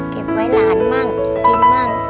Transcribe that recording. เก็บไว้หลานมั่งกินมั่ง